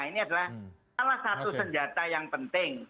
ini adalah salah satu senjata yang penting